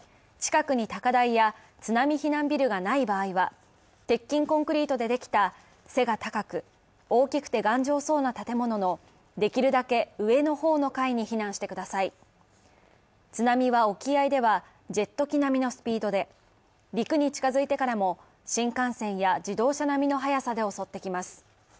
近くに高台や津波避難ビルがない場合は、鉄筋コンクリートでできた背が高く大きくて頑丈そうな建物のできるだけ上の方の階に避難してください津波は沖合では、ジェット機並みのスピードで陸に近づいてからも新幹線や自動車並みの速さで襲ってきます。